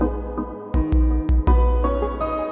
itu udah jadi tanggung jawab tante